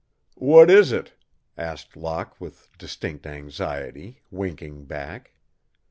"What is it?" asked Locke, with distinct anxiety, winking back.